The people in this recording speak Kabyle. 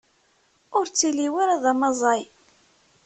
Ur ttili ara d amaẓay.